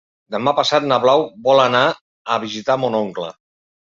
Demà passat na Blau vol anar a visitar mon oncle.